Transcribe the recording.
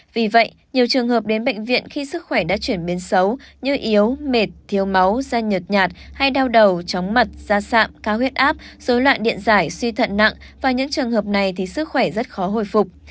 vì vậy nhiều trường hợp đến bệnh viện khi sức khỏe đã chuyển biến xấu như yếu mệt thiếu máu da nhật nhạt hay đau đầu chóng mặt da sạm cao huyết áp dối loạn điện giải suy thận nặng và những trường hợp này thì sức khỏe rất khó hồi phục